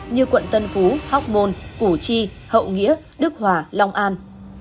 như quận tân phú hóc môn củ chi hậu nghĩa đức hòa long an